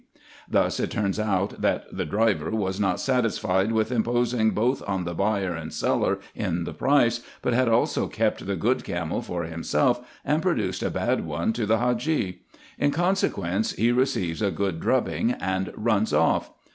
Thus it turns out, that the driver was not satisfied with imposing both on the buyer and seller in the price, but had also kept the good camel for himself, and produced a bad one to the Hadgee. In consequence he receives a good drubbing, and runs off.